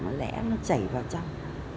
nó lẽ nó chảy vào trong